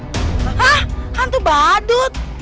hah hantu badut